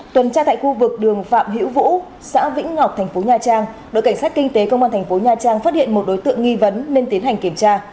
tuần tra tại khu vực đường phạm hữu vũ xã vĩnh ngọc tp nha trang đội cảnh sát kinh tế công an tp nha trang phát hiện một đối tượng nghi vấn nên tiến hành kiểm tra